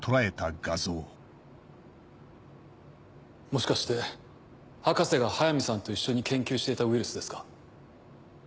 もしかして博士が速水さんと一緒に研究していたウイルスですか？